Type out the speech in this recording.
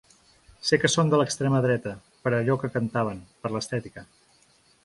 Sé que són de l’extrema dreta, per allò que cantaven, per l’estètica.